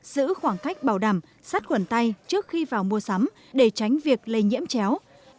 giữ khoảng cách bảo đảm sát khuẩn tay trước khi vào mua sắm để tránh việc lây nhiễm chéo